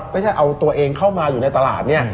ไม่ใช่เอาตัวเองเข้ามาอยู่ในตลาดเนี่ย